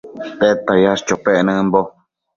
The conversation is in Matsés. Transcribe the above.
¿Tedta yash chopec nëmbo ?